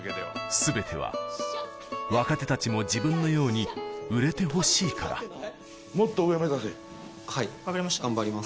全ては若手たちも自分のように売れてほしいからはい頑張ります。